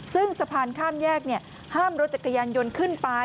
ซึ่งสะพานข้ามแยกห้ามรถจักรยานยนต์ขึ้นไป